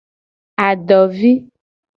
Adovi.